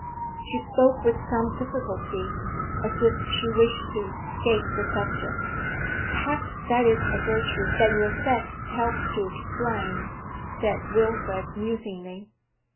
She spoke with some difficulty, as if she wished to escape the subject. 'Perhaps that is a virtue that your sex helps to explain,' said Wilfrid, musingly.